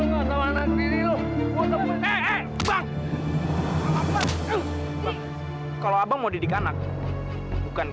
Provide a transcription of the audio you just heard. gila bener lu orang